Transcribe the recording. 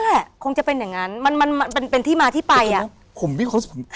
นั่นแหละคงจำเป็นอย่างนั้นมันมันมันเป็นเป็นที่มาที่ไปคนมีความรู้สึก